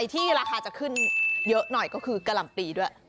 ที่ราคาจะขึ้นเยอะหน่อยก็คือกะหล่ำปีด้วย